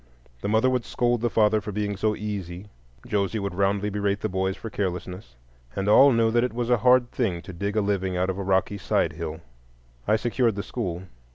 The mother would scold the father for being so "easy"; Josie would roundly berate the boys for carelessness; and all knew that it was a hard thing to dig a living out of a rocky side hill. I secured the school.